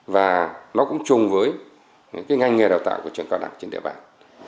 và nó cũng chung với ngành nghề đào tạo của trường cao đẳng trên địa bàn